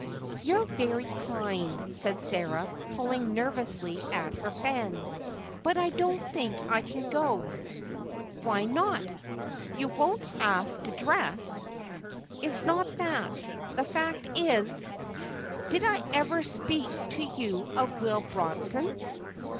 "You're very kind," said Sarah, pulling nervously at her fan, "but I don't think I can go." "Why not? You won't have to dress." "It's not that. The fact is—Did I ever speak to you of Will Bronson?"